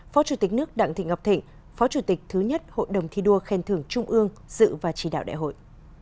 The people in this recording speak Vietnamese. phó chủ tịch nước đặng thị ngọc thịnh phó chủ tịch thứ nhất hội đồng thi đua khen thưởng trung ương dự và chỉ đạo đại hội